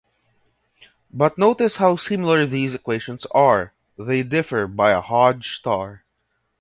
But notice how similar these equations are; they differ by a Hodge star.